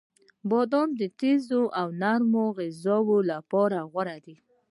• بادام د تیزو او نرم غذایانو لپاره غوره دی.